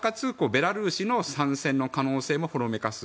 ベラルーシの参戦の可能性もほのめかす。